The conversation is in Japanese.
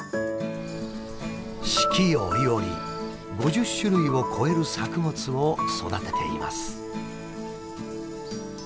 四季折々５０種類を超える作物を育てています。